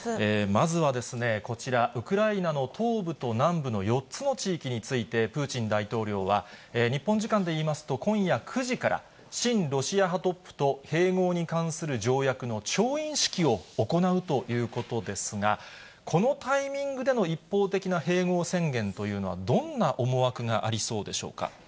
まずはですね、こちら、ウクライナの東部と南部の４つの地域について、プーチン大統領は、日本時間でいいますと今夜９時から、親ロシア派トップと併合に関する条約の調印式を行うということですが、このタイミングでの一方的な併合宣言というのは、どんな思惑がありそうでしょうか。